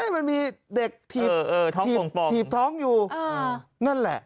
มันมีเด็กถีบถีบท้องอยู่นั่นแหละ